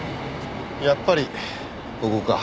やっぱりここか。